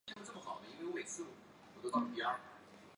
后来一同入读香港华仁书院。